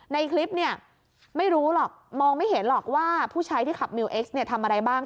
ในคลิปเนี่ยไม่รู้หรอกมองไม่เห็นหรอกว่าผู้ชายที่ขับมิวเอ็กซเนี่ยทำอะไรบ้าง